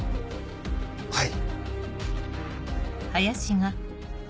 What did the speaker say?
はい。